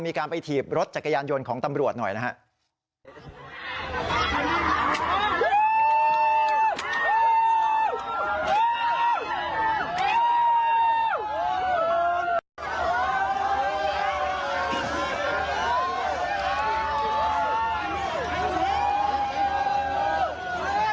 มีการไปถีบรถจักรยานยนต์ของตำรวจหน่อยนะครับ